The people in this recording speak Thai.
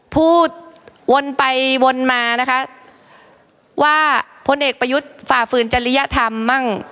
พูดวนไปวนมานะคะว่าพลเอกประยุทธ์ฝ่าฝืนจริยธรรมมั่ง